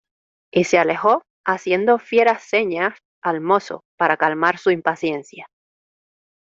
y se alejó haciendo fieras señas al mozo para calmar su impaciencia.